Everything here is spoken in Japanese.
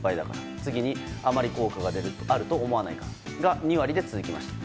次にあまり効果があると思わないからが２割で続きました。